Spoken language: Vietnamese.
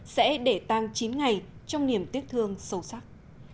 sẽ để tang chín ngày trong niềm tiếc thương sâu sắc